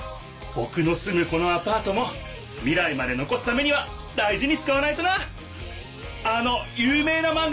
ぼくのすむこのアパートも未来まで残すためには大事に使わないとな！